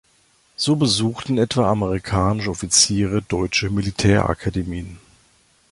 So besuchten etwa amerikanische Offiziere deutsche Militärakademien.